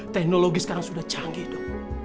teknologi sekarang sudah canggih dong